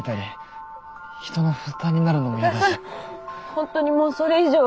本当にもうそれ以上は。